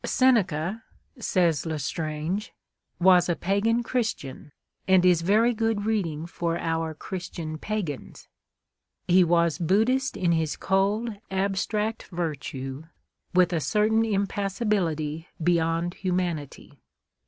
" Seneca," says L'Estrange, " was a pagan Christian, and is very good reading for our Chris tian pagans." He was Buddhist in his cold abstract virtue, with a certain impassibility beyond humanity.